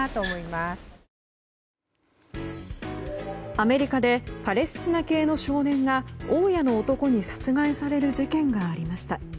アメリカでパレスチナ系の少年が大家の男に殺害される事件がありました。